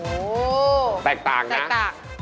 โอ้โฮแตกต่างนะแตกต่าง